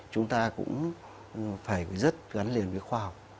chúng ta cũng phải rất gắn liền với khoa học